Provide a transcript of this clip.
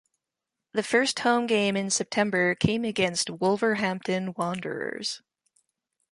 The first home game in September came against Wolverhampton Wanderers.